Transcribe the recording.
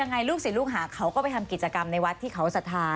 ลูกศิษย์ลูกหาเขาก็ไปทำกิจกรรมในวัดที่เขาศรัทธา